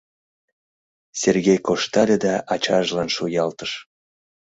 Сергей коштале да ачажлан шуялтыш.